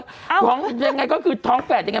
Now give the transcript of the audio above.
ท้องยังไงก็คือท้องแฝดยังไง